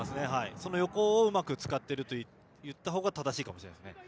その横をうまく使っていると言ったほうが正しいかもしれません。